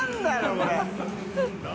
これ。